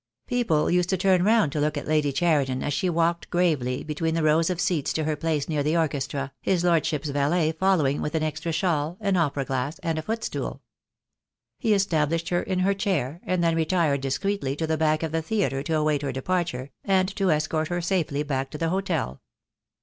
People used to turn round to look at Lady Cheriton THE DAY WILL COME. 99 as she walked gravely between the rows of seats to her place near the orchestra, his Lordship's valet following with an extra shawl, an opera glass, and a footstool. He established her in her chair, and then retired discreetly to the back of the theatre to await her departure, and to escort her safely back to the hotel.